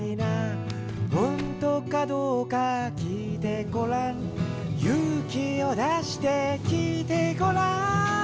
「ほんとかどうか聞いてごらん」「勇気を出して聞いてごらん」